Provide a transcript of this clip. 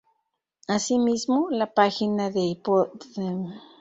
Así mismo, la página del Hipódromo de Monterrico muestra las carreras en vivo.